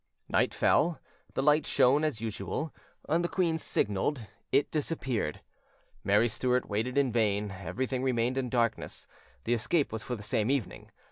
Night fell: the light shone as usual; the queen signalled, it disappeared. Mary Stuart waited in vain; everything remained in darkness: the escape was for the same evening.